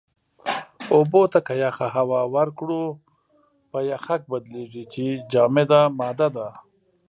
اوبو ته که يخه هوا ورکړو، په يَخٔک بدلېږي چې جامده ماده ده.